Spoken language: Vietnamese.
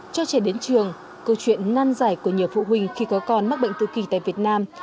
cho trẻ đến trường câu chuyện nan giải của nhiều phụ huynh khi có con mắc bệnh tự kỳ tại việt nam